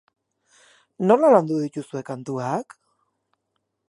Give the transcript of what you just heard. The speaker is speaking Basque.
Nola landu dituzue kantuak?